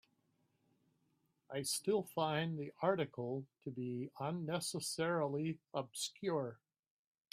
I still find the article to be unnecessarily obscure.